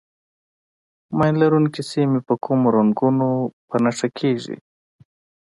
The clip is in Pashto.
ماین لرونکي سیمې په کومو رنګونو نښه کېږي.